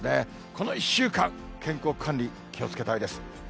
この１週間、健康管理、気をつけたいです。